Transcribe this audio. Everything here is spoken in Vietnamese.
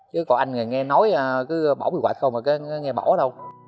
chứ còn anh nghe nói cứ bỏ quy hoạch thôi mà nghe bỏ đâu